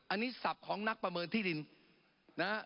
อันนี้สับของนักประเมินที่ดินนะครับ